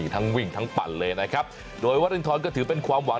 ทั้งวิ่งทั้งปั่นเลยนะครับโดยวรินทรก็ถือเป็นความหวัง